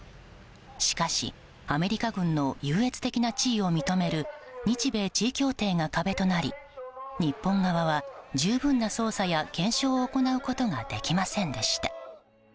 しかし、アメリカ軍の優越的な地位を認める日米地位協定が壁となり日本側は十分な捜査や検証を行うことができませんでした。